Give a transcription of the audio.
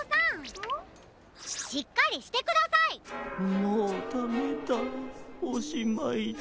もうダメだおしまいだ。